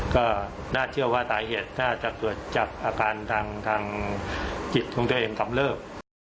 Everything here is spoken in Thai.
ก็น่าเชื่อว่าสาเหตุน่าจะเกิดจากอาการทางจิตของตัวเองกำเริบ